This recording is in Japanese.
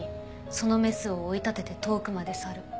そのメスを追い立てて遠くまで去る。